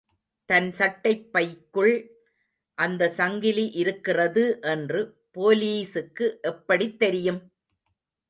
தன் சட்டைப் பைக்குள் அந்த சங்கிலி இருக்கிறது என்று போலீசுக்கு எப்படித் தெரியும்?